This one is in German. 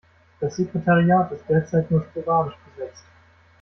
Das Sekretariat ist derzeit nur sporadisch besetzt.